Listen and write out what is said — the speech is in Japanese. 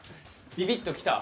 ビビッときた？